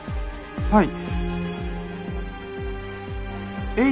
はい。